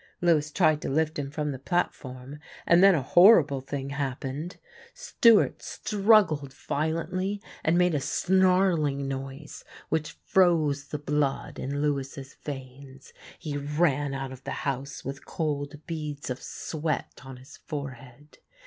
Lewis tried to lift him from the platform, and then a horrible thing happened. Stewart struggled violently and made a snarling noise, which froze the blood in Lewis's veins. He ran out of the house with cold beads of sweat on his forehead.